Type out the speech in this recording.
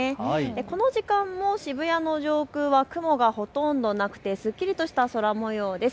この時間も渋谷の上空は雲がほとんどなくてすっきりとした空もようです。